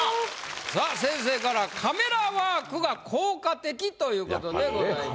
さあ先生から「カメラワークが効果的」ということでございました。